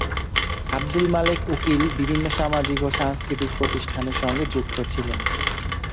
আব্দুল মালেক উকিল বিভিন্ন সামাজিক ও সাংস্কৃতিক প্রতিষ্ঠানের সঙ্গে যুক্ত ছিলেন।